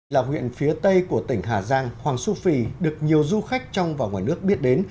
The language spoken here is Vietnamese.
là huyện phía tây của tỉnh hà giang hoàng su phi được nhiều du khách trong và ngoài nước biết đến